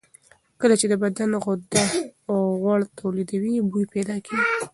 کله چې د بدن غده غوړ تولیدوي، بوی پیدا کېږي.